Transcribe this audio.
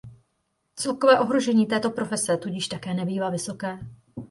Celkové ohodnocení této profese tudíž také nebývá vysoké.